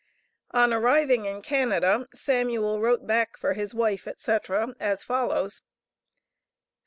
On arriving in Canada Samuel wrote back for his wife, &c., as follows: ST.